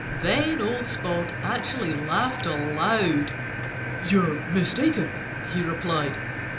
Then old Spot actually laughed aloud. "You're mistaken," he replied.